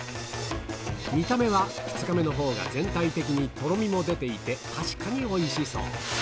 見た目は２日目のほうが全体的にとろみも出ていて、確かにおいしそう。